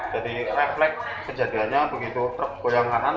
jadi refleks kejadiannya begitu truk goyang kanan